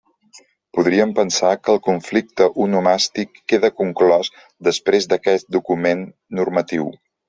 Podríem pensar que el conflicte onomàstic queda conclòs després d'aquest document normatiu.